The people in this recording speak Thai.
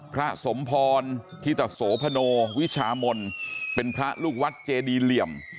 พระสมพรธิตโสพโนวิชามนเป็นพระลูกวัดเจดีเหลี่ยม